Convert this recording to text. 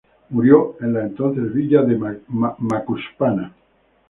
Murió en la entonces villa de Macuspana.